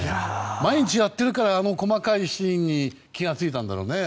毎日やってるからあの細かいシーンに気が付いたんだろうね